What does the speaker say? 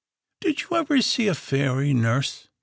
"Did you ever see a fairy, nurse?"